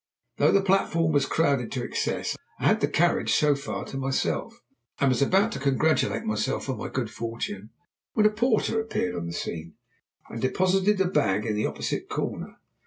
Though the platform was crowded to excess I had the carriage so far to myself, and was about to congratulate myself on my good fortune, when a porter appeared on the scene, and deposited a bag in the opposite corner.